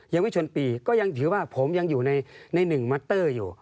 เยาวชนปีก็ยังถือว่าผมยังอยู่ในหนึ่งมัตเตอร์อยู่